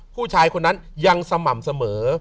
ผู้ชายคนนั้นยังสม่ำเสมอ